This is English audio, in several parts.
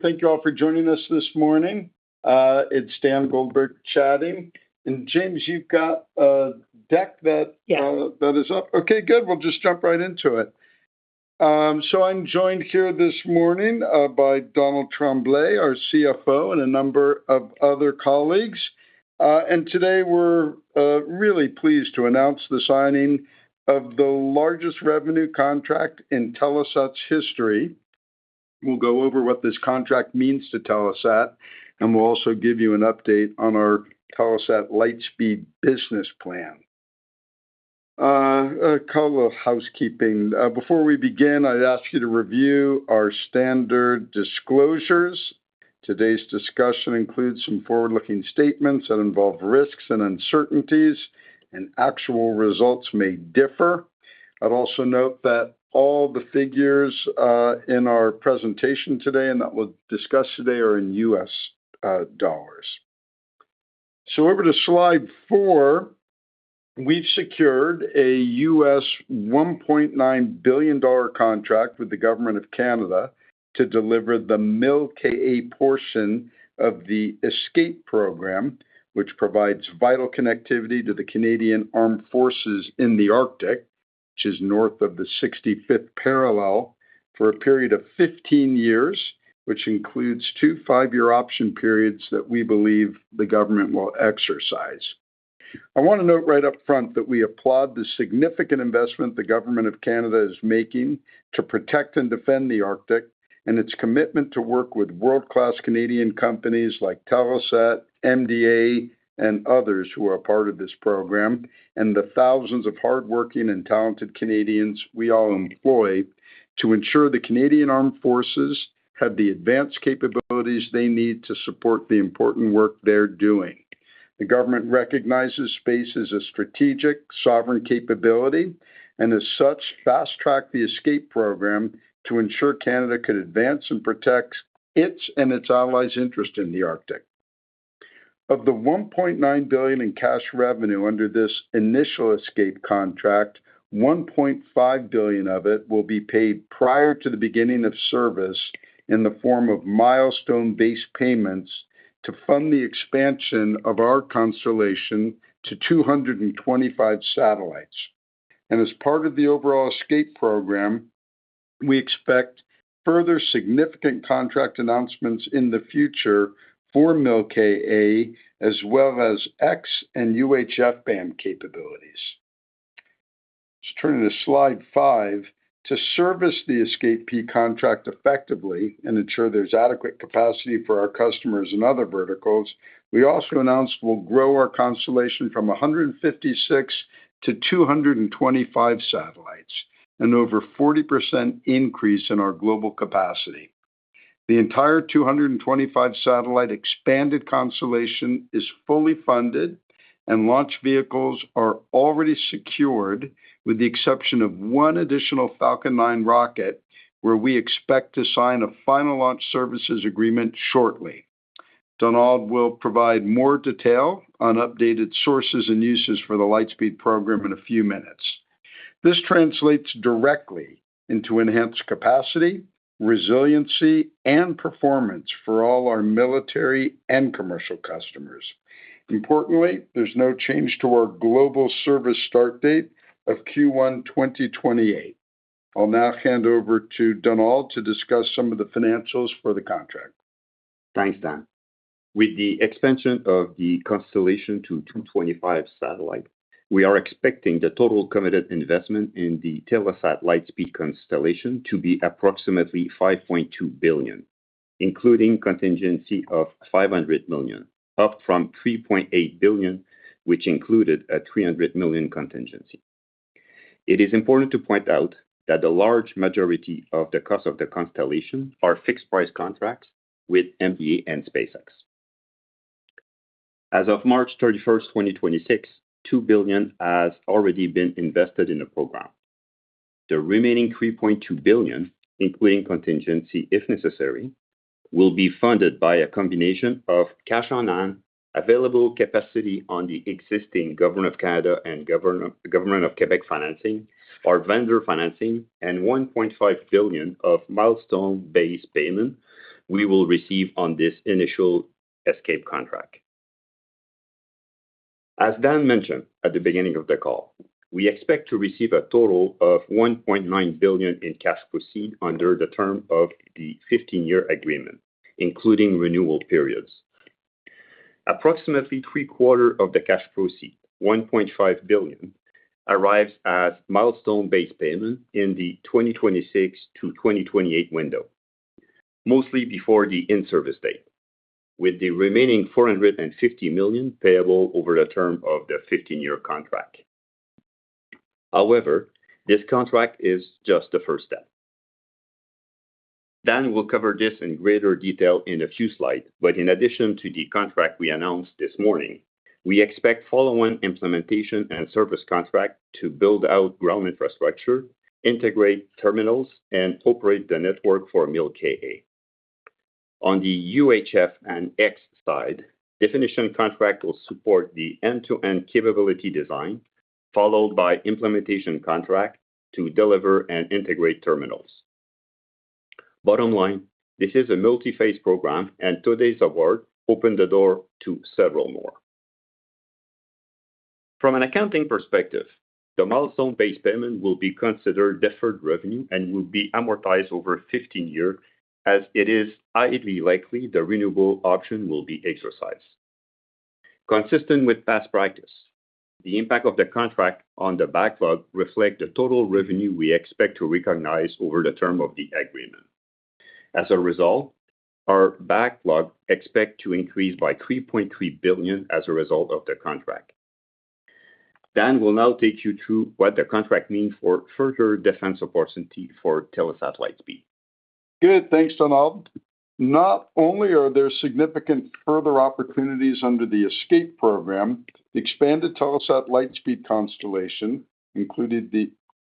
Thank you all for joining us this morning. It's Dan Goldberg chatting. James, you've got a deck. Yeah. That is up? Okay, good. We'll just jump right into it. I'm joined here this morning by Donald Tremblay, our CFO, and a number of other colleagues. Today we're really pleased to announce the signing of the largest revenue contract in Telesat's history. We'll go over what this contract means to Telesat, and we'll also give you an update on our Telesat Lightspeed business plan. A couple of housekeeping. Before we begin, I'd ask you to review our standard disclosures. Today's discussion includes some forward-looking statements that involve risks and uncertainties, and actual results may differ. I'd also note that all the figures in our presentation today, and that we'll discuss today, are in US dollars. Over to slide four, we've secured a US $1.9 billion contract with the Government of Canada to deliver the Mil-Ka portion of the ESCP program, which provides vital connectivity to the Canadian Armed Forces in the Arctic, which is north of the 65th parallel, for a period of 15 years, which includes two five-year option periods that we believe the Government will exercise. I want to note right up front that we applaud the significant investment the Government of Canada is making to protect and defend the Arctic, and its commitment to work with world-class Canadian companies like Telesat, MDA, and others who are a part of this program, and the thousands of hardworking and talented Canadians we all employ to ensure the Canadian Armed Forces have the advanced capabilities they need to support the important work they're doing. The Government recognizes space as a strategic sovereign capability, fast-tracked the ESCP program to ensure Canada could advance and protect its and its allies' interest in the Arctic. Of the $1.9 billion in cash revenue under this initial ESCP contract, $1.5 billion of it will be paid prior to the beginning of service in the form of milestone-based payments to fund the expansion of our constellation to 225 satellites. As part of the overall ESCP program, we expect further significant contract announcements in the future for Mil-Ka, as well as X-band and UHF band capabilities. Let's turn to slide five. To service the ESCP-P contract effectively and ensure there's adequate capacity for our customers and other verticals, we also announced we'll grow our constellation from 156 to 225 satellites, an over 40% increase in our global capacity. The entire 225 satellite expanded constellation is fully funded and launch vehicles are already secured, with the exception of one additional Falcon 9 rocket, where we expect to sign a final launch services agreement shortly. Donald will provide more detail on updated sources and uses for the Lightspeed program in a few minutes. This translates directly into enhanced capacity, resiliency, and performance for all our military and commercial customers. Importantly, there's no change to our global service start date of Q1 2028. I'll now hand over to Donald to discuss some of the financials for the contract. Thanks, Dan. With the expansion of the constellation to 225 satellites, we are expecting the total committed investment in the Telesat Lightspeed constellation to be approximately $5.2 billion, including contingency of $500 million, up from $3.8 billion, which included a $300 million contingency. It is important to point out that a large majority of the cost of the constellation are fixed-price contracts with MDA and SpaceX. As of March 31st, 2026, $2 billion has already been invested in the program. The remaining $3.2 billion, including contingency if necessary, will be funded by a combination of cash on hand, available capacity on the existing Government of Canada and Government of Quebec financing, our vendor financing, and $1.5 billion of milestone-based payment we will receive on this initial ESCP contract. As Dan mentioned at the beginning of the call, we expect to receive a total of $1.9 billion in cash proceed under the term of the 15-year agreement, including renewal periods. Approximately three-quarter of the cash proceed, $1.5 billion, arrives as milestone-based payment in the 2026-2028 window, mostly before the in-service date, with the remaining $450 million payable over the term of the 15-year contract. This contract is just the first step. Dan will cover this in greater detail in a few slides, but in addition to the contract we announced this morning, we expect follow-on implementation and service contract to build out ground infrastructure, integrate terminals, and operate the network for Mil-Ka. On the UHF and X side, definition contract will support the end-to-end capability design Followed by implementation contract to deliver and integrate terminals. Bottom line, this is a multi-phase program and today's award opened the door to several more. From an accounting perspective, the milestone-based payment will be considered deferred revenue and will be amortized over 15 year, as it is highly likely the renewable option will be exercised. Consistent with past practice, the impact of the contract on the backlog reflect the total revenue we expect to recognize over the term of the agreement. As a result, our backlog expect to increase by $3.3 billion as a result of the contract. Dan will now take you through what the contract means for further defense opportunity for Telesat Lightspeed. Good. Thanks, Donald. Not only are there significant further opportunities under the ESCP program, the expanded Telesat Lightspeed constellation, including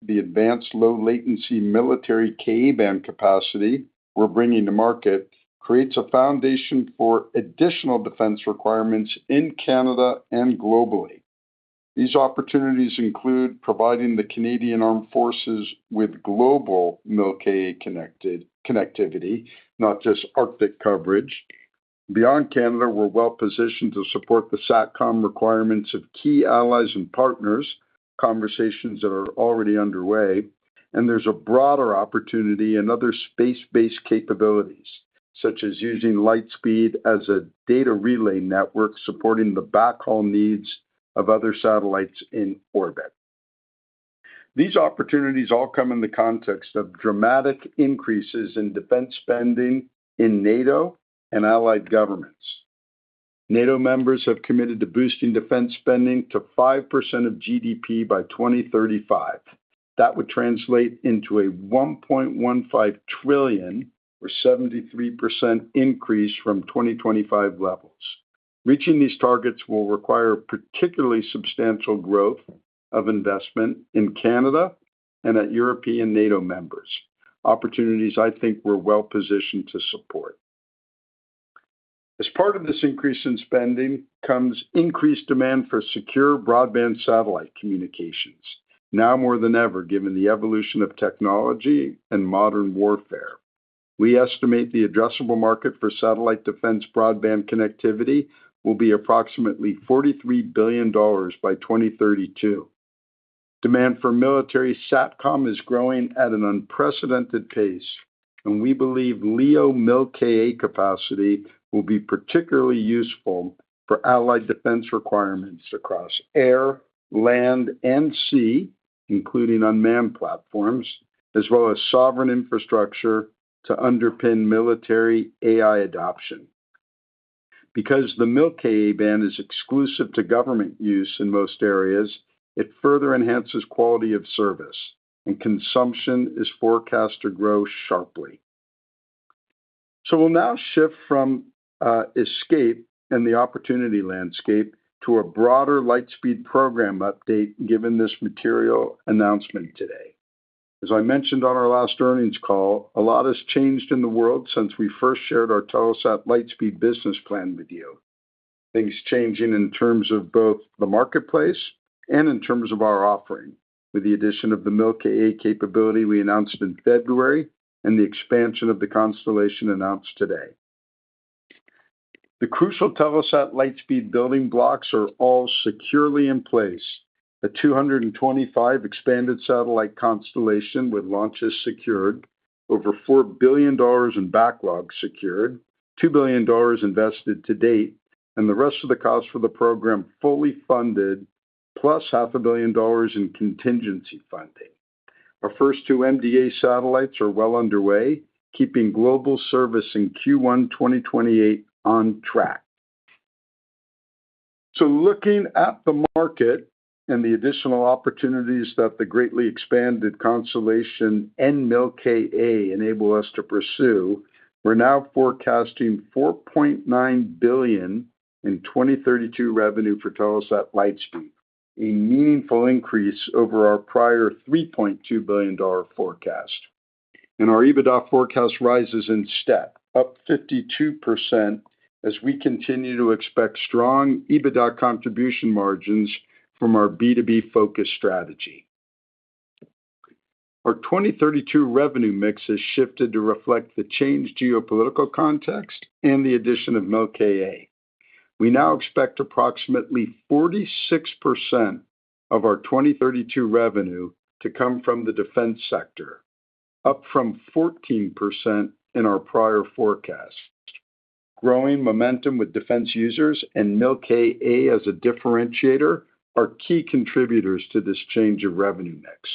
the advanced low latency military Ka-band capacity we're bringing to market, creates a foundation for additional defense requirements in Canada and globally. These opportunities include providing the Canadian Armed Forces with global Mil-Ka connectivity, not just Arctic coverage. Beyond Canada, we're well-positioned to support the SATCOM requirements of key allies and partners, conversations that are already underway. There's a broader opportunity in other space-based capabilities, such as using Lightspeed as a data relay network, supporting the backhaul needs of other satellites in orbit. These opportunities all come in the context of dramatic increases in defense spending in NATO and allied governments. NATO members have committed to boosting defense spending to 5% of GDP by 2035. That would translate into a $1.15 trillion, or 73% increase from 2025 levels. Reaching these targets will require particularly substantial growth of investment in Canada and at European NATO members. Opportunities I think we're well-positioned to support. Part of this increase in spending comes increased demand for secure broadband satellite communications, now more than ever, given the evolution of technology and modern warfare. We estimate the addressable market for satellite defense broadband connectivity will be approximately $43 billion by 2032. Demand for military SATCOM is growing at an unprecedented pace. We believe LEO Mil-Ka capacity will be particularly useful for allied defense requirements across air, land, and sea, including unmanned platforms, as well as sovereign infrastructure to underpin military AI adoption. Because the Mil-Ka band is exclusive to government use in most areas, it further enhances quality of service. Consumption is forecast to grow sharply. We'll now shift from ESCP and the opportunity landscape to a broader Lightspeed program update given this material announcement today. As I mentioned on our last earnings call, a lot has changed in the world since we first shared our Telesat Lightspeed business plan with you. Things changing in terms of both the marketplace and in terms of our offering, with the addition of the Mil-Ka capability we announced in February and the expansion of the constellation announced today. The crucial Telesat Lightspeed building blocks are all securely in place. A 225 expanded satellite constellation with launches secured, over $4 billion in backlog secured, $2 billion invested to date, and the rest of the cost for the program fully funded, plus half a billion dollars in contingency funding. Our first two MDA satellites are well underway, keeping global service in Q1 2028 on track. Looking at the market and the additional opportunities that the greatly expanded constellation and Mil-Ka enable us to pursue, we're now forecasting $4.9 billion in 2032 revenue for Telesat Lightspeed, a meaningful increase over our prior $3.2 billion forecast. Our EBITDA forecast rises in step, up 52% as we continue to expect strong EBITDA contribution margins from our B2B focus strategy. Our 2032 revenue mix has shifted to reflect the changed geopolitical context and the addition of Mil-Ka. We now expect approximately 46% of our 2032 revenue to come from the defense sector, up from 14% in our prior forecast. Growing momentum with defense users and Mil-Ka as a differentiator are key contributors to this change of revenue mix.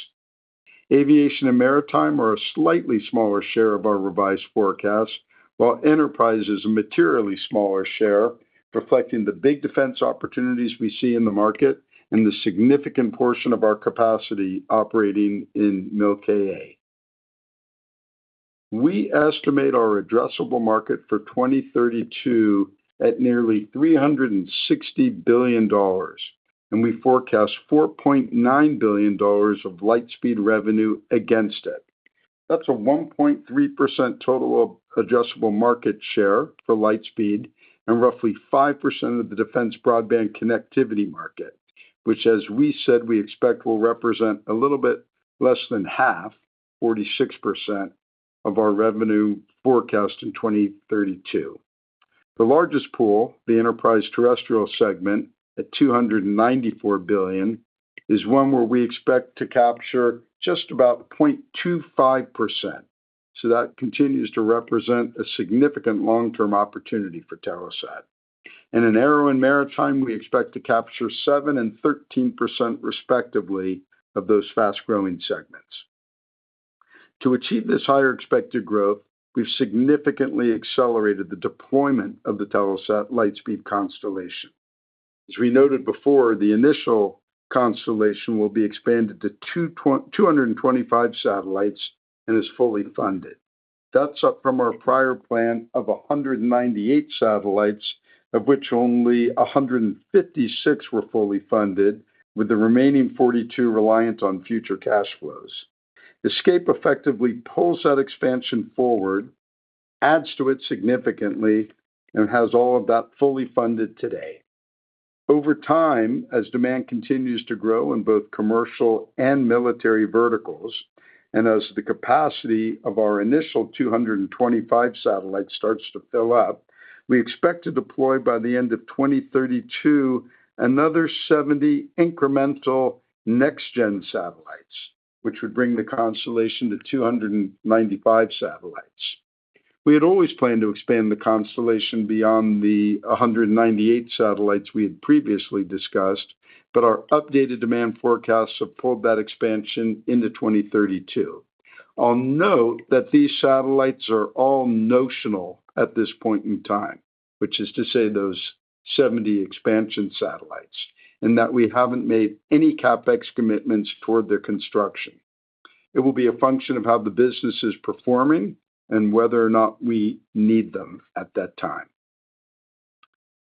Aviation and maritime are a slightly smaller share of our revised forecast, while enterprise is a materially smaller share, reflecting the big defense opportunities we see in the market and the significant portion of our capacity operating in Mil-Ka. We estimate our addressable market for 2032 at nearly $360 billion, and we forecast $4.9 billion of Lightspeed revenue against it. That's a 1.3% total addressable market share for Lightspeed and roughly 5% of the defense broadband connectivity market, which as we said, we expect will represent a little bit less than half, 46%, of our revenue forecast in 2032. The largest pool, the enterprise terrestrial segment, at $294 billion, is one where we expect to capture just about 0.25%. That continues to represent a significant long-term opportunity for Telesat. In aero and maritime, we expect to capture 7% and 13%, respectively, of those fast-growing segments. To achieve this higher expected growth, we've significantly accelerated the deployment of the Telesat Lightspeed constellation. As we noted before, the initial constellation will be expanded to 225 satellites and is fully funded. That's up from our prior plan of 198 satellites, of which only 156 were fully funded, with the remaining 42 reliant on future cash flows. ESCP-P effectively pulls that expansion forward, adds to it significantly, and has all of that fully funded today. Over time, as demand continues to grow in both commercial and military verticals, and as the capacity of our initial 225 satellites starts to fill up, we expect to deploy by the end of 2032 another 70 incremental next-gen satellites, which would bring the constellation to 295 satellites. We had always planned to expand the constellation beyond the 198 satellites we had previously discussed, but our updated demand forecasts have pulled that expansion into 2032. I'll note that these satellites are all notional at this point in time, which is to say those 70 expansion satellites, and that we haven't made any CapEx commitments toward their construction. It will be a function of how the business is performing and whether or not we need them at that time.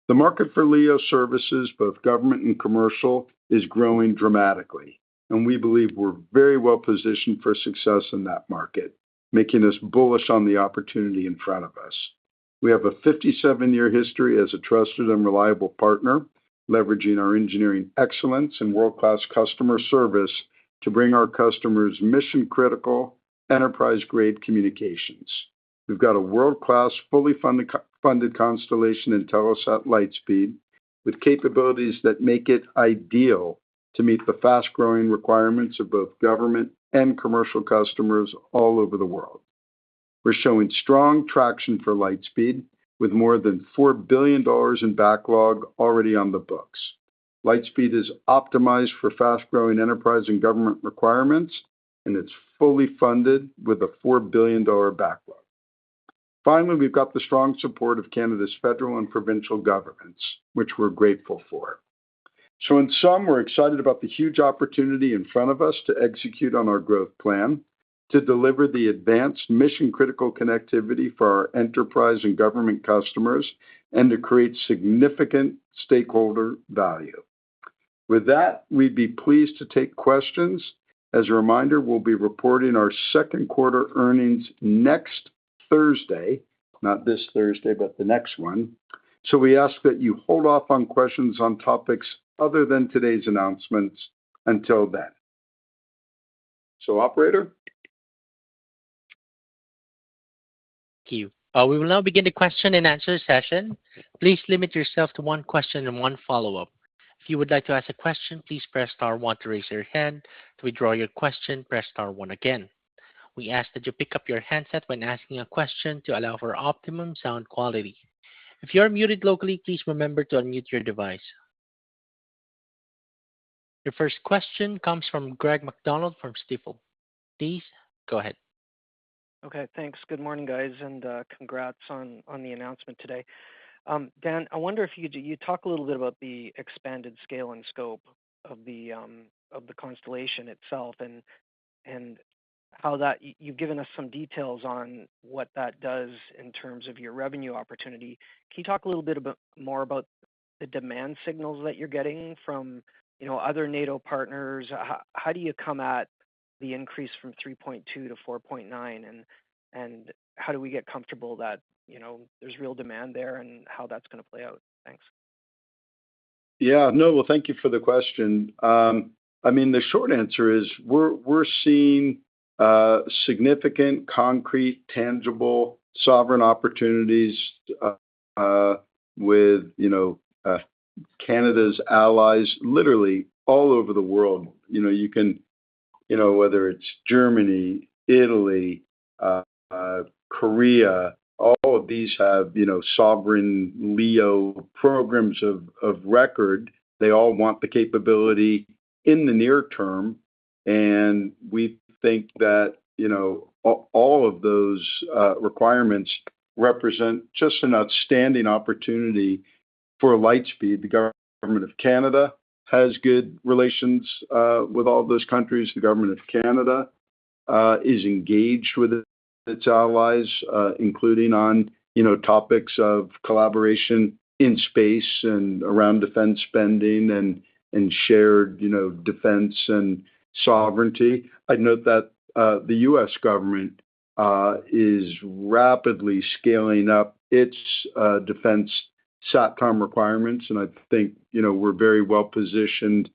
The market for LEO services, both government and commercial, is growing dramatically, and we believe we're very well positioned for success in that market, making us bullish on the opportunity in front of us. We have a 57-year history as a trusted and reliable partner, leveraging our engineering excellence and world-class customer service to bring our customers mission-critical, enterprise-grade communications. We've got a world-class, fully funded constellation in Telesat Lightspeed with capabilities that make it ideal to meet the fast-growing requirements of both government and commercial customers all over the world. We're showing strong traction for Lightspeed, with more than $4 billion in backlog already on the books. Lightspeed is optimized for fast-growing enterprise and government requirements, and it's fully funded with a $4 billion backlog. Finally, we've got the strong support of Canada's federal and provincial governments, which we're grateful for. In sum, we're excited about the huge opportunity in front of us to execute on our growth plan, to deliver the advanced mission-critical connectivity for our enterprise and government customers, and to create significant stakeholder value. With that, we'd be pleased to take questions. As a reminder, we'll be reporting our second quarter earnings next Thursday. Not this Thursday, but the next one. We ask that you hold off on questions on topics other than today's announcements until then. Operator? Thank you. We will now begin the question and answer session. Please limit yourself to one question and one follow-up. If you would like to ask a question, please press star one to raise your hand. To withdraw your question, press star one again. We ask that you pick up your handset when asking a question to allow for optimum sound quality. If you are muted locally, please remember to unmute your device. Your first question comes from Greg MacDonald from Stifel. Please go ahead. Okay, thanks. Good morning, guys, congrats on the announcement today. Dan, I wonder if you'd talk a little bit about the expanded scale and scope of the constellation itself and how that. You've given us some details on what that does in terms of your revenue opportunity. Can you talk a little bit more about the demand signals that you're getting from other NATO partners? How do you come at the increase from 3.2 to 4.9? How do we get comfortable that there's real demand there and how that's gonna play out? Thanks. Yeah. No, well, thank you for the question. The short answer is we're seeing significant, concrete, tangible, sovereign opportunities with Canada's allies, literally all over the world. Whether it's Germany, Italy, Korea, all of these have sovereign LEO programs of record. They all want the capability in the near term, and we think that all of those requirements represent just an outstanding opportunity for Lightspeed. The government of Canada has good relations with all those countries. The government of Canada is engaged with its allies, including on topics of collaboration in space and around defense spending and shared defense and sovereignty. I'd note that the U.S. government is rapidly scaling up its defense SATCOM requirements, and I think we're very well-positioned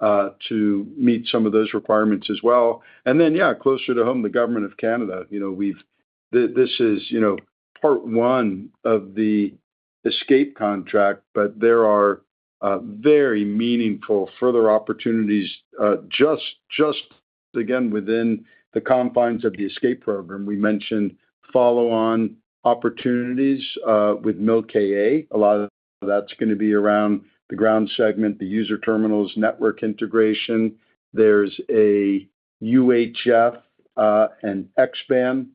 to meet some of those requirements as well. Then, yeah, closer to home, the government of Canada. This is part one of the ESCP-P contract, but there are very meaningful further opportunities just, again, within the confines of the ESCP-P program. We mentioned follow-on opportunities with Mil-Ka. A lot of that's going to be around the ground segment, the user terminals, network integration. There's a UHF and X-band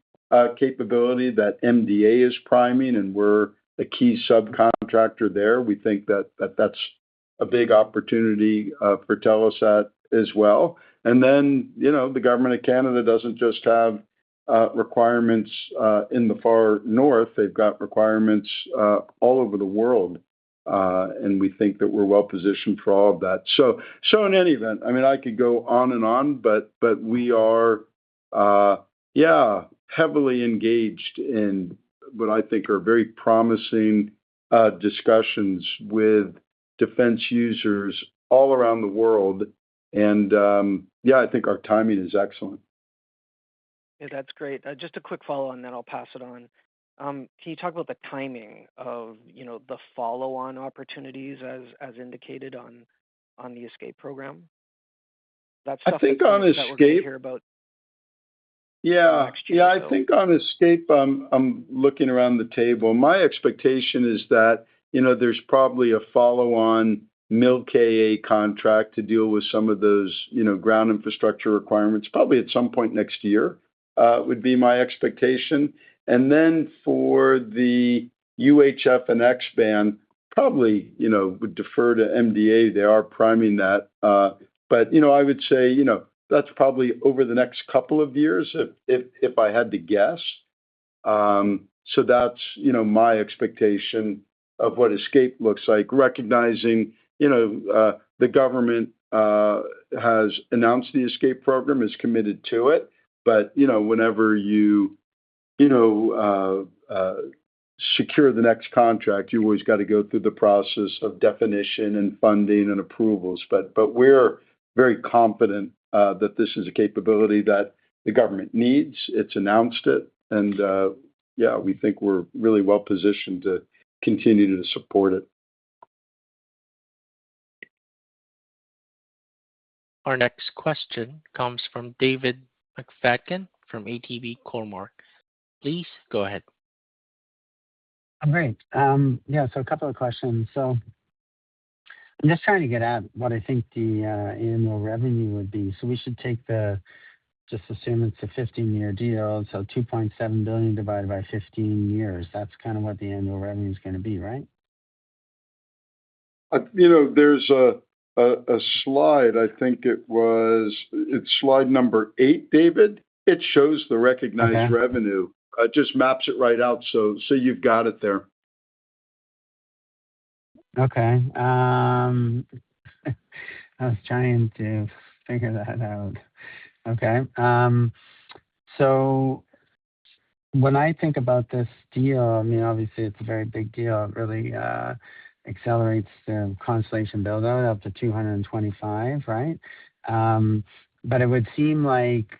capability that MDA is priming, and we're a key subcontractor there. We think that that's a big opportunity for Telesat as well. Then, the government of Canada doesn't just have requirements in the far north, they've got requirements all over the world. We think that we're well-positioned for all of that. In any event, I could go on and on, but we are heavily engaged in what I think are very promising discussions with defense users all around the world. I think our timing is excellent. That's great. Just a quick follow-on, then I'll pass it on. Can you talk about the timing of the follow-on opportunities as indicated on the ESCP-P program? I think on ESCP-P. That we're going to hear about next year. I think on ESCP-P, I'm looking around the table. My expectation is that there's probably a follow-on Mil-Ka contract to deal with some of those ground infrastructure requirements, probably at some point next year, would be my expectation. For the UHF and X-band, probably would defer to MDA. They are priming that. I would say that's probably over the next couple of years, if I had to guess. That's my expectation of what ESCP-P looks like, recognizing the government has announced the ESCP-P program, is committed to it. Whenever you secure the next contract, you've always got to go through the process of definition and funding and approvals. We're very confident that this is a capability that the government needs. It's announced it, and we think we're really well-positioned to continue to support it. Our next question comes from David McFadgen from ATB Cormark. Please go ahead. Great. A couple of questions. I'm just trying to get at what I think the annual revenue would be. We should just assume it's a 15-year deal, $2.7 billion divided by 15 years. That's kind of what the annual revenue's going to be, right? There's a slide, I think it's slide number eight, David. It shows the recognized revenue. Just maps it right out, you've got it there. Okay. I was trying to figure that out. Okay. When I think about this deal, obviously it's a very big deal. It really accelerates the constellation build-out up to 225, right? It would seem like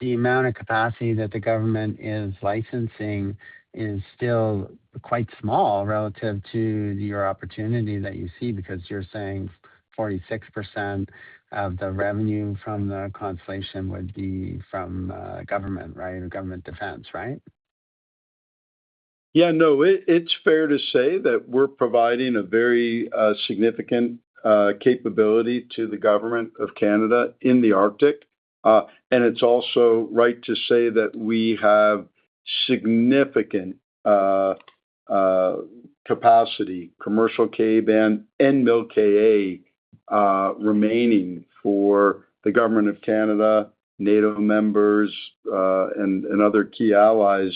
the amount of capacity that the government is licensing is still quite small relative to your opportunity that you see, because you're saying 46% of the revenue from the constellation would be from government, right? Government defense, right? Yeah, no, it's fair to say that we're providing a very significant capability to the government of Canada in the Arctic. It's also right to say that we have significant capacity, commercial K band and Mil-Ka, remaining for the government of Canada, NATO members, and other key allies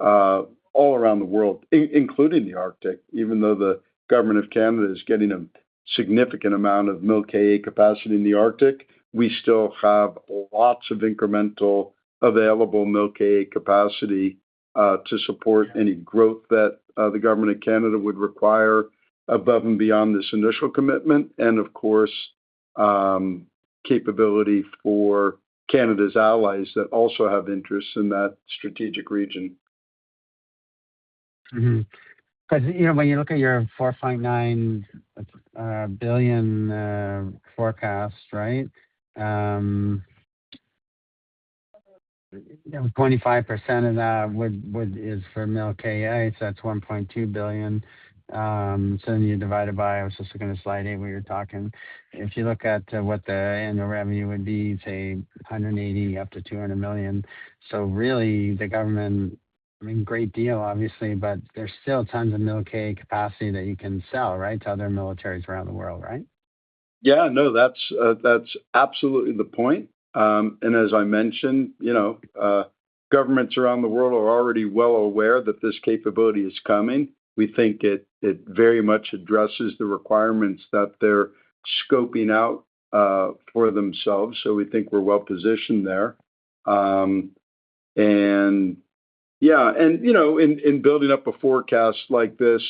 all around the world, including the Arctic. Even though the government of Canada is getting a significant amount of Mil-Ka capacity in the Arctic, we still have lots of incremental available Mil-Ka capacity to support any growth that the government of Canada would require above and beyond this initial commitment. Of course, capability for Canada's allies that also have interests in that strategic region. Because when you look at your $4.9 billion forecast, right? 25% of that is for Mil-Ka, that's $1.2 billion. You divide it by, I was just looking at slide eight where you're talking, if you look at what the annual revenue would be, say, $180 million-$200 million. Really, the government, great deal obviously, there's still tons of Mil-Ka capacity that you can sell, right? To other militaries around the world, right? Yeah, no, that's absolutely the point. As I mentioned, governments around the world are already well aware that this capability is coming. We think it very much addresses the requirements that they're scoping out for themselves, so we think we're well-positioned there. In building up a forecast like this,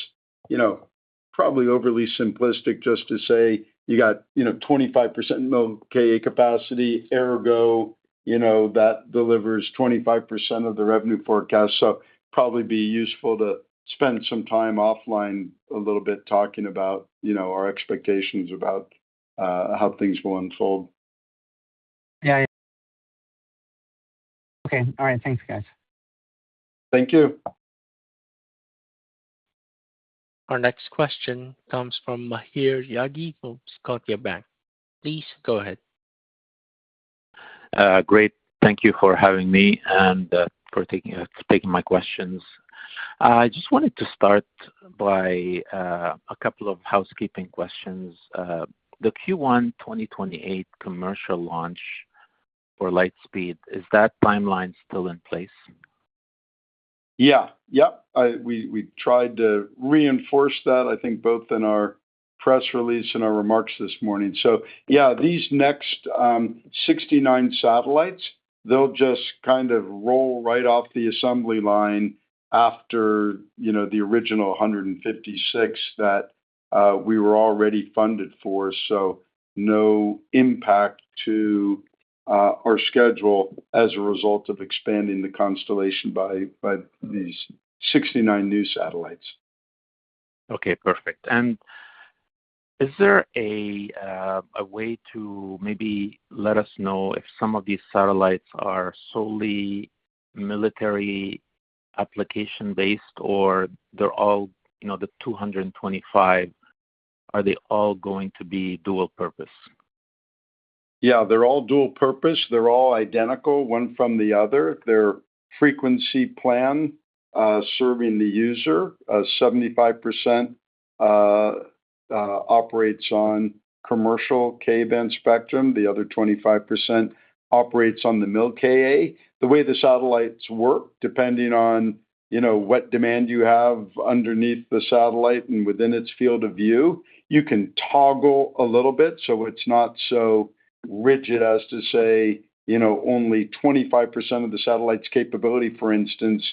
probably overly simplistic just to say you got 25% Mil-Ka capacity, ergo, that delivers 25% of the revenue forecast. Probably be useful to spend some time offline a little bit talking about our expectations about how things will unfold. Yeah. Okay. All right. Thanks, guys. Thank you. Our next question comes from Maher Yaghi from Scotiabank. Please go ahead. Great. Thank you for having me and for taking my questions. I just wanted to start by a couple of housekeeping questions. The Q1 2028 commercial launch for Lightspeed, is that timeline still in place? Yeah. We tried to reinforce that, I think both in our press release and our remarks this morning. Yeah, these next 69 satellites, they'll just kind of roll right off the assembly line after the original 156 that we were already funded for, so no impact to our schedule as a result of expanding the constellation by these 69 new satellites. Okay, perfect. Is there a way to maybe let us know if some of these satellites are solely military application based, or the 225, are they all going to be dual purpose? Yeah, they're all dual purpose. They're all identical, one from the other. Their frequency plan serving the user, 75% operates on commercial Ka-band spectrum. The other 25% operates on the Mil-Ka. The way the satellites work, depending on what demand you have underneath the satellite and within its field of view, you can toggle a little bit, so it's not so rigid as to say only 25% of the satellite's capability, for instance,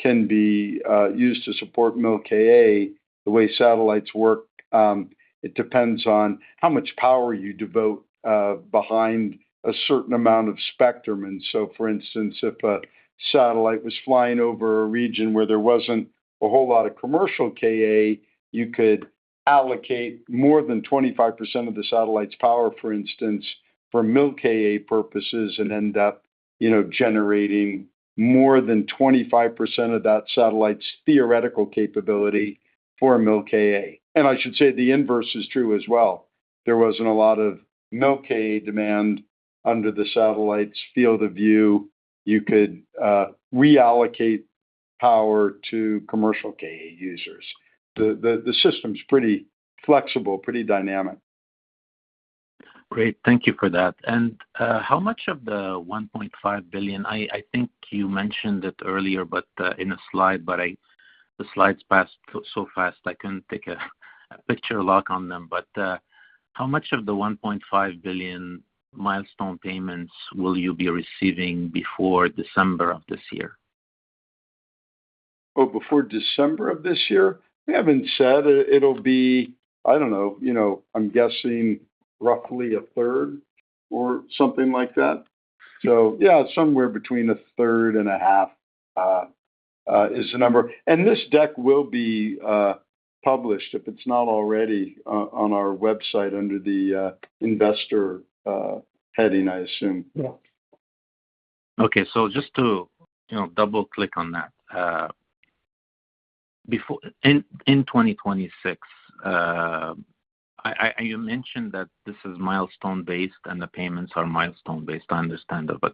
can be used to support Mil-Ka. The way satellites work, it depends on how much power you devote behind a certain amount of spectrum. For instance, if a satellite was flying over a region where there wasn't a whole lot of commercial Ka, you could allocate more than 25% of the satellite's power, for instance, for Mil-Ka purposes and end up generating more than 25% of that satellite's theoretical capability for Mil-Ka. I should say, the inverse is true as well. There wasn't a lot of Mil-Ka demand under the satellite's field of view. You could reallocate power to commercial Ka users. The system's pretty flexible, pretty dynamic. Great. Thank you for that. How much of the $1.5 billion, I think you mentioned it earlier, in a slide, the slides passed so fast I couldn't take a picture lock on them. How much of the $1.5 billion milestone payments will you be receiving before December of this year? Before December of this year? We haven't said. It'll be, I don't know, I'm guessing roughly a third or something like that. Yeah, somewhere between a third and a half is the number. This deck will be published, if it's not already, on our website under the Investor heading, I assume. Yeah. Okay. Just to double-click on that. In 2026, you mentioned that this is milestone-based and the payments are milestone-based. I understand that.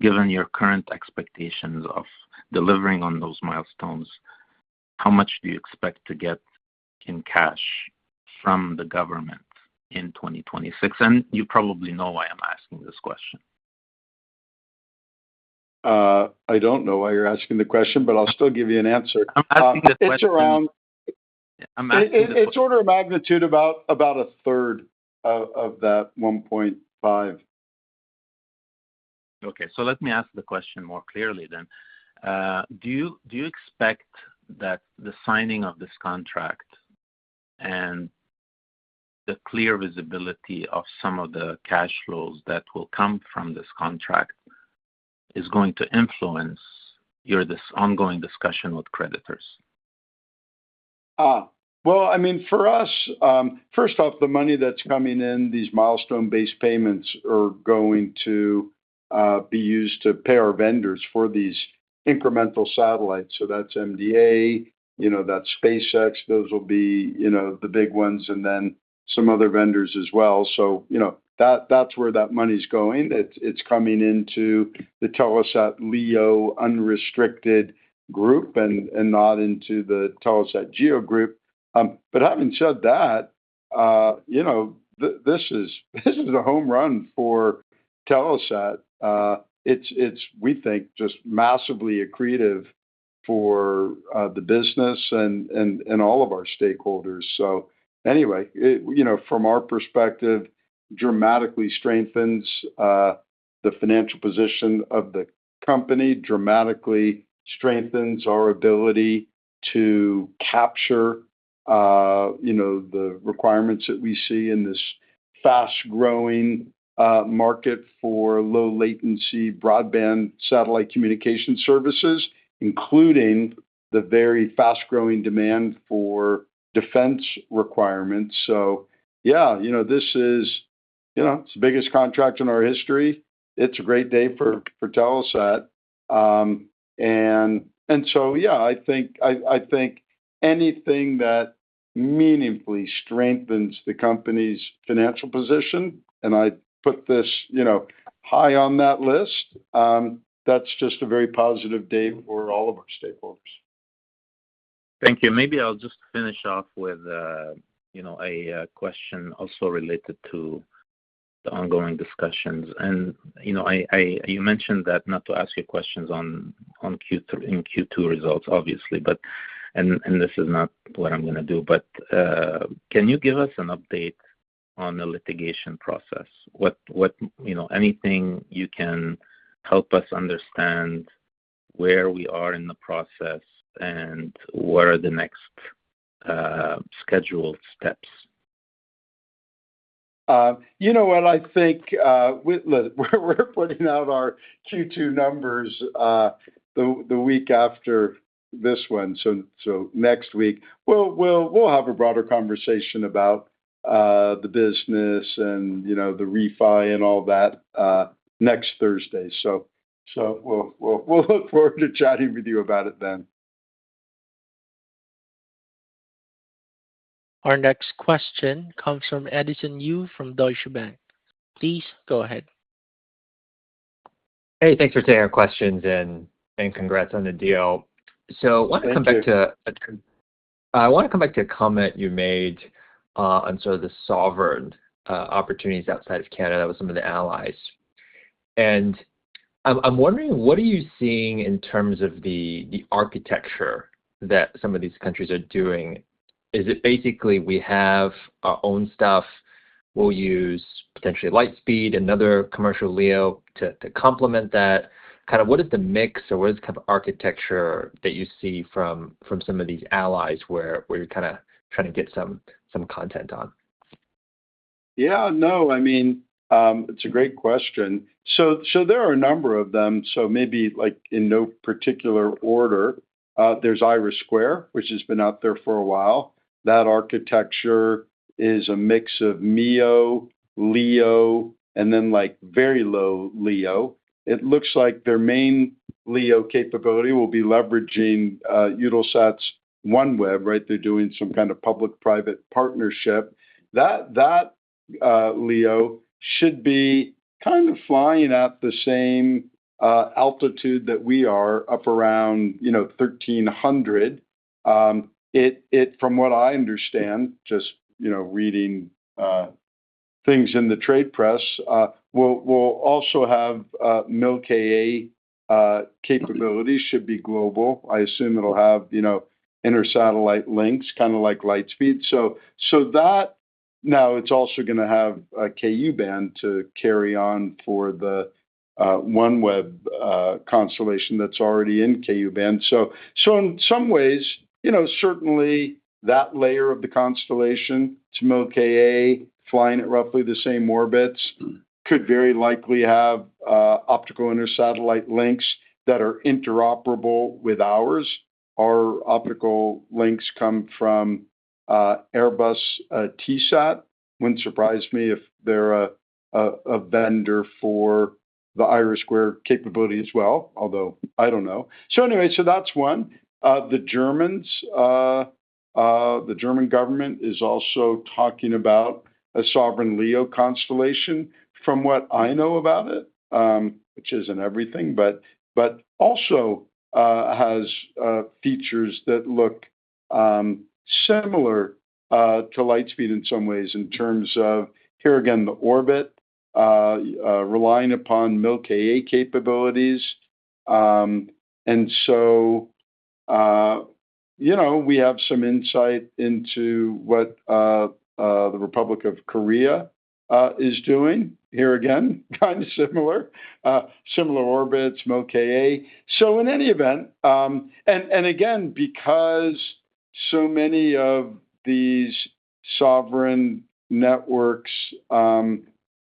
Given your current expectations of delivering on those milestones, how much do you expect to get in cash from the government in 2026? You probably know why I'm asking this question. I don't know why you're asking the question, I'll still give you an answer. I'm asking the question. It's order of magnitude about a third of that $1.5. Okay. Let me ask the question more clearly then. Do you expect that the signing of this contract and the clear visibility of some of the cash flows that will come from this contract is going to influence this ongoing discussion with creditors? For us, first off, the money that's coming in, these milestone-based payments are going to be used to pay our vendors for these incremental satellites. That's MDA, that's SpaceX. Those will be the big ones, and then some other vendors as well. That's where that money's going. It's coming into the Telesat LEO unrestricted group and not into the Telesat GEO group. Having said that, this is a home run for Telesat, we think just massively accretive for the business and all of our stakeholders. Anyway, from our perspective, dramatically strengthens the financial position of the company, dramatically strengthens our ability to capture the requirements that we see in this fast-growing market for low latency broadband satellite communication services, including the very fast-growing demand for defense requirements. Yeah, it's the biggest contract in our history. It's a great day for Telesat. Yeah, I think anything that meaningfully strengthens the company's financial position, and I put this high on that list, that's just a very positive day for all of our stakeholders. Thank you. Maybe I'll just finish off with a question also related to the ongoing discussions. You mentioned that not to ask you questions in Q2 results, obviously, and this is not what I'm going to do, but can you give us an update on the litigation process? Anything you can help us understand where we are in the process and what are the next scheduled steps? You know what? I think we're putting out our Q2 numbers the week after this one, next week. We'll have a broader conversation about the business and the refi and all that next Thursday. We'll look forward to chatting with you about it then. Our next question comes from Edison Yu from Deutsche Bank. Please go ahead. Hey, thanks for taking our questions and congrats on the deal. Thank you. I want to come back to a comment you made on sort of the sovereign opportunities outside of Canada with some of the allies. I'm wondering, what are you seeing in terms of the architecture that some of these countries are doing? Is it basically we have our own stuff, we'll use potentially Lightspeed, another commercial LEO to complement that? Kind of what is the mix or what is the kind of architecture that you see from some of these allies where you're kind of trying to get some content on? Yeah, no, it's a great question. There are a number of them. Maybe in no particular order, there's IRIS², which has been out there for a while. That architecture is a mix of MEO, LEO, and then very low LEO. It looks like their main LEO capability will be leveraging Eutelsat's OneWeb, right? They're doing some kind of public-private partnership. That LEO should be kind of flying at the same altitude that we are up around 1,300. It, from what I understand, just reading things in the trade press, will also have Mil-Ka capabilities, should be global. I assume it'll have inter-satellite links, kind of like Lightspeed. It's also going to have a Ku-band to carry on for the OneWeb constellation that's already in Ku-band. In some ways, certainly that layer of the constellation, some Mil-Ka flying at roughly the same orbits, could very likely have optical inter-satellite links that are interoperable with ours. Our optical links come from Airbus Tesat. Wouldn't surprise me if they're a vendor for the IRIS² capability as well, although I don't know. Anyway, that's one. The German government is also talking about a sovereign LEO constellation. From what I know about it, which isn't everything, but also has features that look similar to Lightspeed in some ways in terms of, here again, the orbit, relying upon Mil-Ka capabilities. We have some insight into what the Republic of Korea is doing. Here again, kind of similar. Similar orbits, Mil-Ka. In any event, again, because so many of these sovereign networks that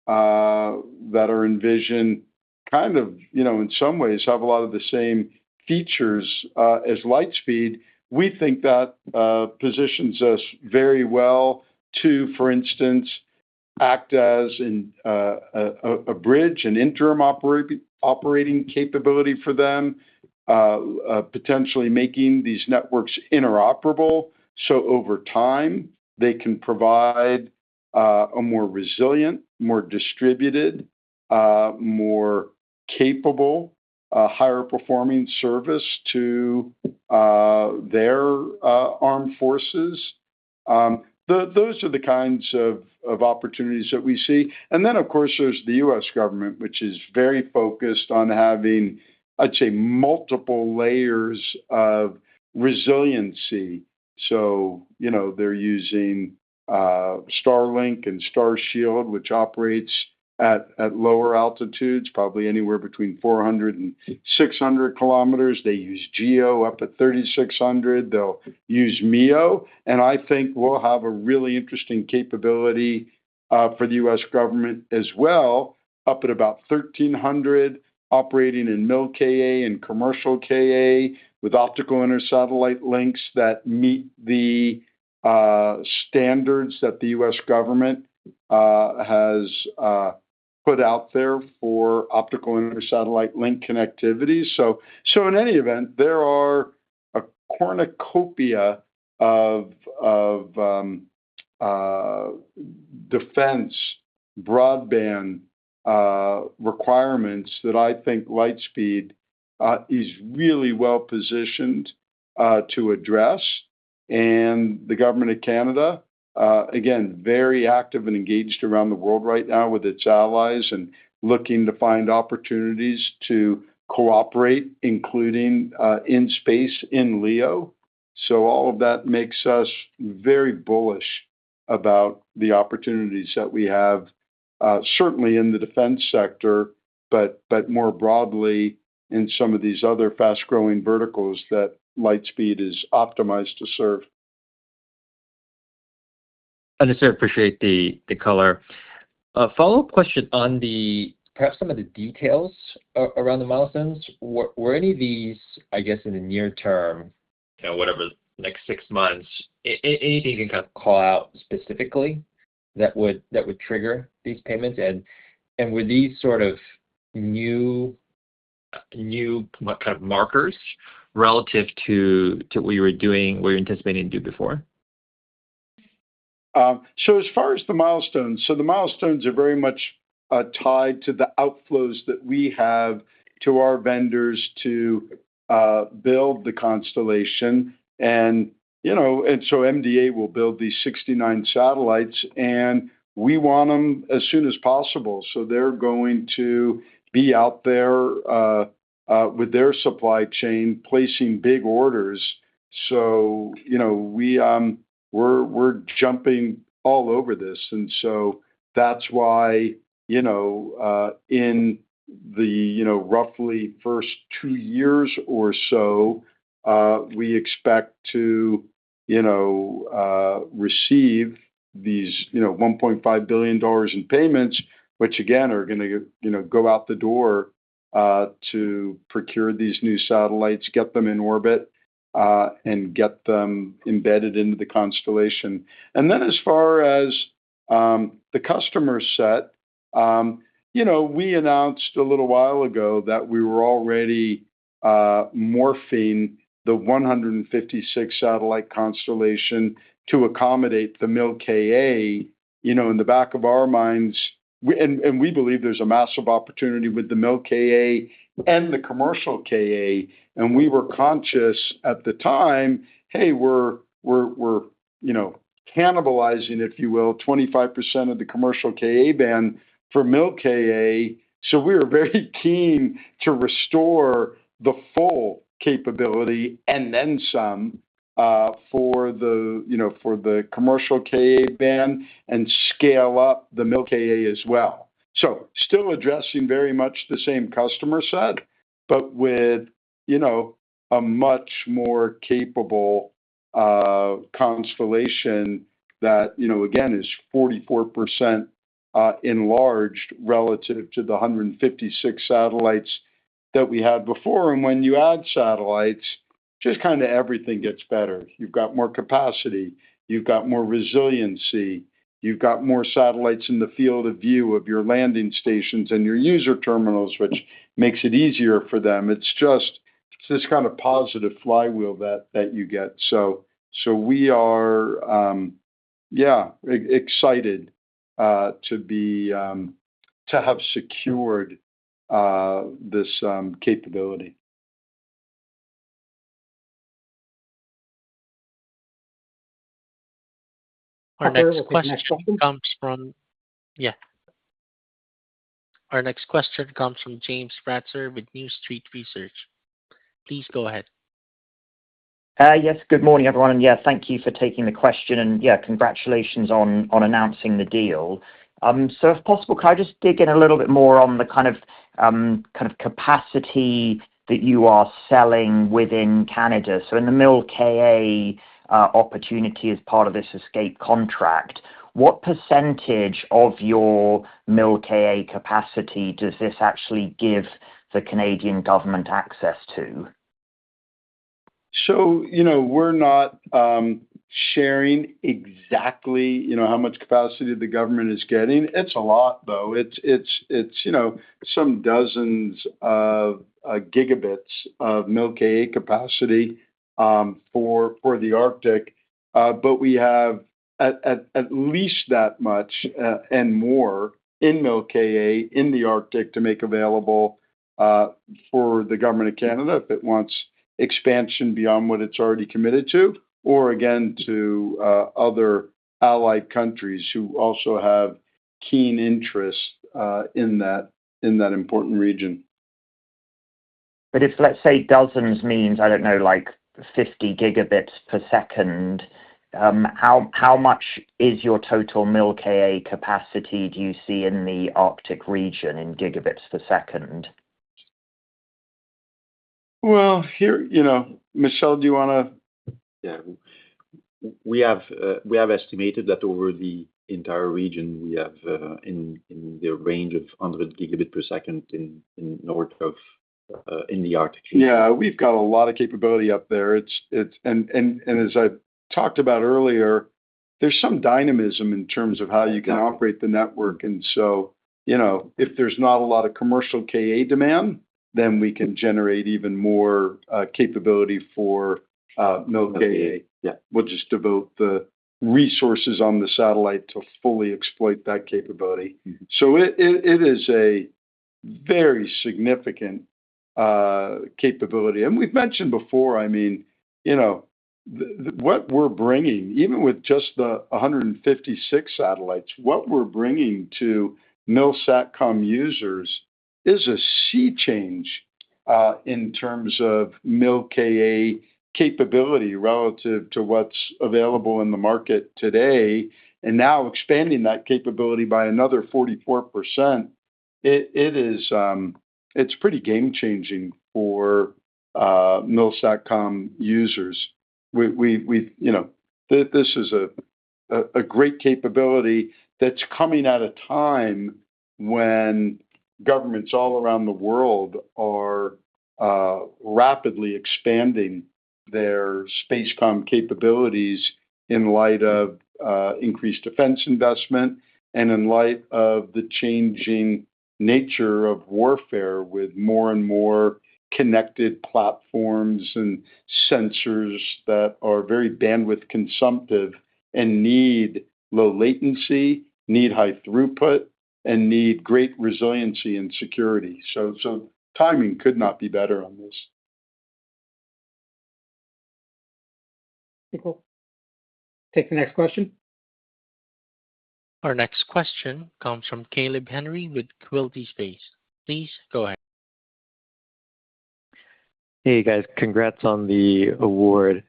are envisioned kind of in some ways have a lot of the same features as Lightspeed, we think that positions us very well to, for instance, act as a bridge, an interim operating capability for them, potentially making these networks interoperable. Over time, they can provide a more resilient, more distributed, more capable, higher performing service to their armed forces. Those are the kinds of opportunities that we see. Then, of course, there's the U.S. government, which is very focused on having, I'd say, multiple layers of resiliency. They're using Starlink and Starshield, which operates at lower altitudes, probably anywhere between 400 and 600 kilometers. They use GEO up at 3,600. They'll use MEO, and I think we'll have a really interesting capability for the U.S. government as well, up at about 1,300, operating in Mil-Ka and commercial Ka with optical intersatellite links that meet the standards that the U.S. government has put out there for optical intersatellite link connectivity. In any event, there are a cornucopia of defense broadband requirements that I think Lightspeed is really well-positioned to address. The government of Canada, again, very active and engaged around the world right now with its allies and looking to find opportunities to cooperate, including in space in LEO. All of that makes us very bullish about the opportunities that we have, certainly in the defense sector, but more broadly in some of these other fast-growing verticals that Lightspeed is optimized to serve. I just appreciate the color. A follow-up question on perhaps some of the details around the milestones. Were any of these, I guess, in the near term, whatever, next six months, anything you can kind of call out specifically that would trigger these payments? Were these sort of new kind of markers relative to what you were anticipating to do before? As far as the milestones, so the milestones are very much tied to the outflows that we have to our vendors to build the constellation. MDA will build these 69 satellites, and we want them as soon as possible. They're going to be out there with their supply chain, placing big orders. We're jumping all over this. That's why in the roughly first two years or so, we expect to receive these $1.5 billion in payments, which again, are going to go out the door to procure these new satellites, get them in orbit, and get them embedded into the constellation. As far as the customer set, we announced a little while ago that we were already morphing the 156-satellite constellation to accommodate the Mil-Ka. In the back of our minds, we believe there's a massive opportunity with the Mil-Ka and the commercial Ka, and we were conscious at the time, hey, we're cannibalizing, if you will, 25% of the commercial Ka band for Mil-Ka. We are very keen to restore the full capability and then some for the commercial Ka band and scale up the Mil-Ka as well. Still addressing very much the same customer set, but with a much more capable constellation that, again, is 44% enlarged relative to the 156 satellites that we had before. When you add satellites, just kind of everything gets better. You've got more capacity. You've got more resiliency. You've got more satellites in the field of view of your landing stations and your user terminals, which makes it easier for them. It's just this kind of positive flywheel that you get. We are, yeah, excited to have secured this capability. Our next question comes from James Ratzer with New Street Research. Please go ahead. Yes. Good morning, everyone. Yeah, thank you for taking the question. Yeah, congratulations on announcing the deal. If possible, could I just dig in a little bit more on the kind of capacity that you are selling within Canada? In the Mil-Ka opportunity as part of this ESCP-P contract, what % of your Mil-Ka capacity does this actually give the Canadian Government access to? We're not sharing exactly how much capacity the Government is getting. It's a lot, though. It's some dozens of gigabits of Mil-Ka capacity for the Arctic. We have at least that much and more in Mil-Ka in the Arctic to make available for the Government of Canada if it wants expansion beyond what it's already committed to, or again, to other allied countries who also have keen interest in that important region. If, let's say dozens means, I don't know, like 50 gigabits per second, how much is your total Mil-Ka capacity do you see in the Arctic region in gigabits per second? Well, here. Michel, do you want to? Yeah. We have estimated that over the entire region we have in the range of 100 gigabit per second in the Arctic region. Yeah, we've got a lot of capability up there. As I talked about earlier, there's some dynamism in terms of how you can operate the network. If there's not a lot of commercial Ka demand, then we can generate even more capability for Mil-Ka. We'll just devote the resources on the satellite to fully exploit that capability. It is a very significant capability. We've mentioned before, what we're bringing, even with just the 156 satellites, what we're bringing to MilSatCom users is a sea change in terms of Mil-Ka capability relative to what's available in the market today. Now expanding that capability by another 44%, it's pretty game-changing for MilSatCom users. This is a great capability that's coming at a time when governments all around the world are rapidly expanding their SATCOM capabilities in light of increased defense investment and in light of the changing nature of warfare with more and more connected platforms and sensors that are very bandwidth-consumptive and need low latency, need high throughput, and need great resiliency and security. Timing could not be better on this. Nicole, take the next question. Our next question comes from Caleb Henry with Quilty Space. Please go ahead. Hey, guys. Congrats on the award.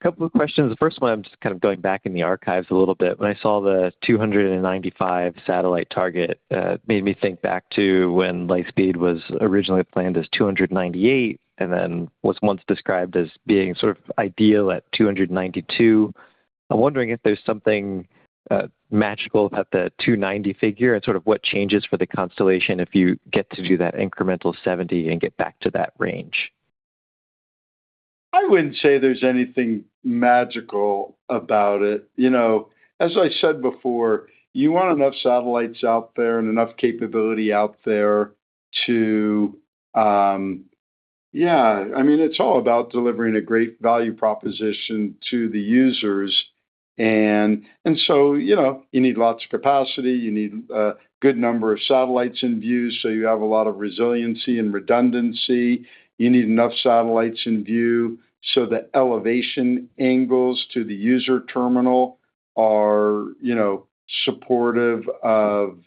Couple of questions. First one, I'm just kind of going back in the archives a little bit. When I saw the 295 satellite target, made me think back to when Lightspeed was originally planned as 298 and then was once described as being sort of ideal at 292. I'm wondering if there's something magical about the 290 figure and sort of what changes for the constellation if you get to do that incremental 70 and get back to that range. I wouldn't say there's anything magical about it. As I said before, you want enough satellites out there and enough capability out there to. All about delivering a great value proposition to the users. You need lots of capacity. You need a good number of satellites in view, so you have a lot of resiliency and redundancy. You need enough satellites in view so the elevation angles to the user terminal are supportive of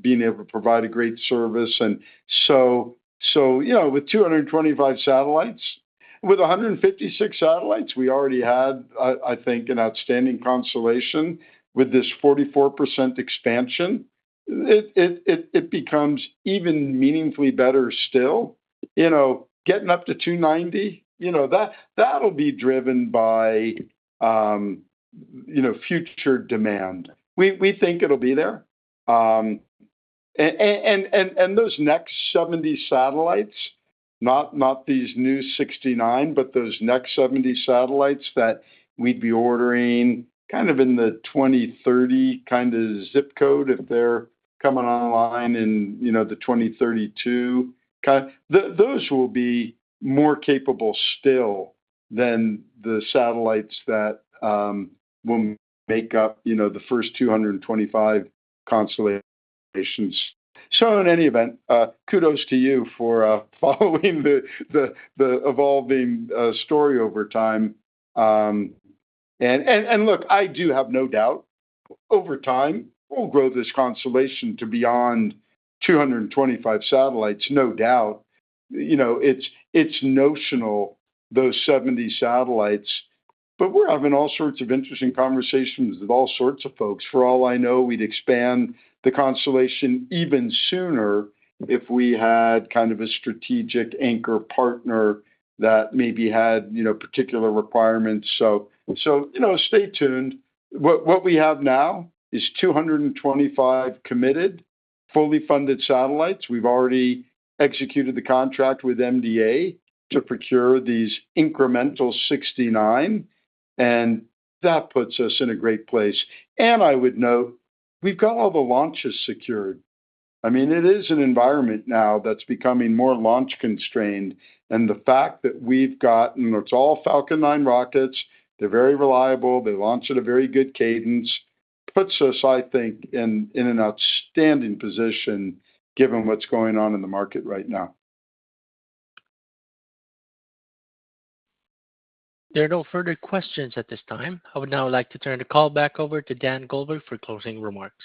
being able to provide a great service. With 225 satellites, with 156 satellites, we already had, I think, an outstanding constellation. With this 44% expansion, it becomes even meaningfully better still. Getting up to 290, that'll be driven by future demand. We think it'll be there. Those next 70 satellites, not these new 69, but those next 70 satellites that we'd be ordering kind of in the 2030 kind of ZIP code, if they're coming online in the 2032 kind, those will be more capable still than the satellites that will make up the first 225 constellations. In any event, kudos to you for following the evolving story over time. Look, I do have no doubt, over time, we'll grow this constellation to beyond 225 satellites, no doubt. It's notional, those 70 satellites. We're having all sorts of interesting conversations with all sorts of folks. For all I know, we'd expand the constellation even sooner if we had kind of a strategic anchor partner that maybe had particular requirements. Stay tuned. What we have now is 225 committed, fully funded satellites. We've already executed the contract with MDA to procure these incremental 69, that puts us in a great place. I would note, we've got all the launches secured I mean, it is an environment now that's becoming more launch-constrained. The fact that we've got, it's all Falcon 9 rockets, they're very reliable, they launch at a very good cadence, puts us, I think, in an outstanding position given what's going on in the market right now. There are no further questions at this time. I would now like to turn the call back over to Dan Goldberg for closing remarks.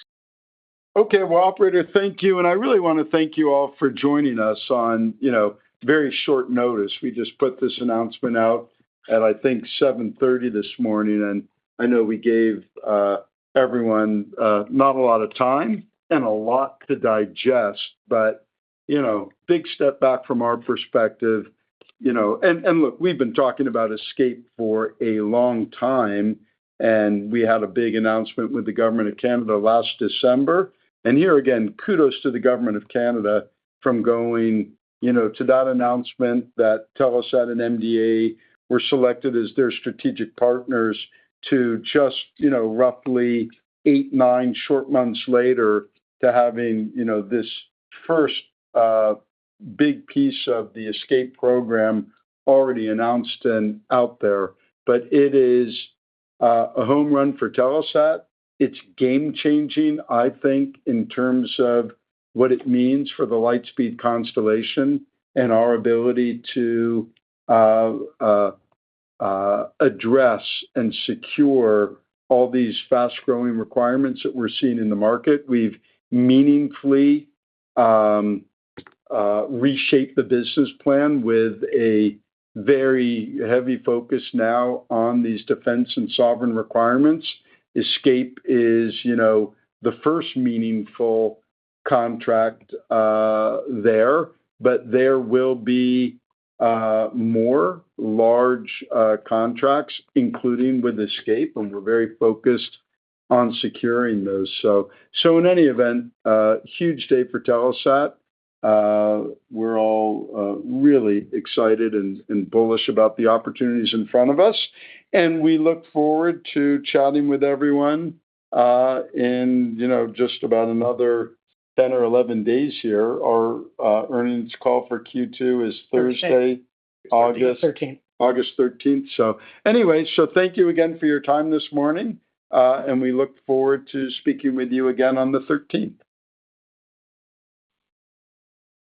Okay. Well, operator, thank you. I really want to thank you all for joining us on very short notice. We just put this announcement out at, I think, 7:30 A.M. this morning, I know we gave everyone not a lot of time and a lot to digest, big step back from our perspective. Look, we've been talking about ESCP-P for a long time, we had a big announcement with the Government of Canada last December. Here again, kudos to the Government of Canada from going to that announcement that Telesat and MDA were selected as their strategic partners to just roughly eight, nine short months later to having this first big piece of the ESCP-P program already announced and out there. It is a home run for Telesat. It's game-changing, I think, in terms of what it means for the Lightspeed constellation and our ability to address and secure all these fast-growing requirements that we're seeing in the market. We've meaningfully reshaped the business plan with a very heavy focus now on these defense and sovereign requirements. ESCP-P is the first meaningful contract there. There will be more large contracts, including with ESCP-P, and we're very focused on securing those. In any event, huge day for Telesat. We're all really excited and bullish about the opportunities in front of us, and we look forward to chatting with everyone in just about another 10 or 11 days here. Our earnings call for Q2 is Thursday. 13th. August 13th. Anyway, thank you again for your time this morning, and we look forward to speaking with you again on the 13th.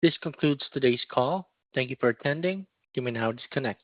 This concludes today's call. Thank you for attending. You may now disconnect.